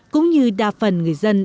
cũng như đa phần người dân